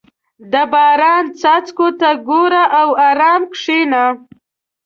• د باران څاڅکو ته ګوره او ارام کښېنه.